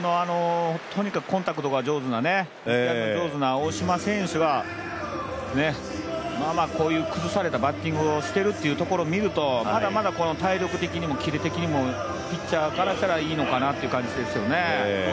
とにかくコンタクトが上手な、太島選手はまあまあ崩されたバッティングをされてるのを見るとまだまだ体力的にも気力的にもピッチャーからしたらいいのかなと思いますね。